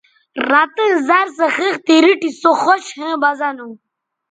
رَتیئں زر سو خِختے ریٹھی سو خوش ھویں بہ زہ نو